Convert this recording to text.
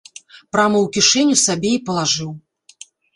Прама ў кішэню сабе й палажыў.